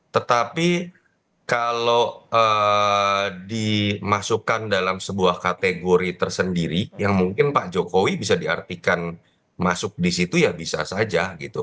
tetapi kalau dimasukkan dalam sebuah kategori tersendiri yang mungkin pak jokowi bisa diartikan masuk di situ ya bisa saja gitu